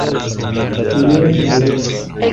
Murió en Modena.